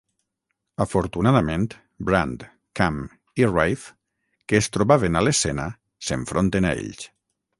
Afortunadament, Brand, Kam i Rayf, que es trobaven a l'escena, s'enfronten a ells.